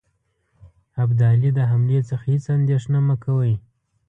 ابدالي د حملې څخه هیڅ اندېښنه مه کوی.